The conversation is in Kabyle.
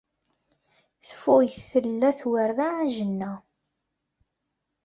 Tfuyt tella ttwerreɛ ajenna.